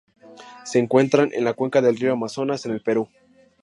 Se encuentran en la cuenca del río Amazonas, en el Perú.